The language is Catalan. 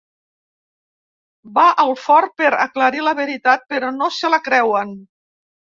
Va al fort per aclarir la veritat però no se la creuen.